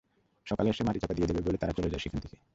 সকালে এসে মাটি চাপা দিয়ে দেবে বলে তারা চলে যায় সেখান থেকে।